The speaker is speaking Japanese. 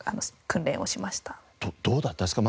どうだったんですか？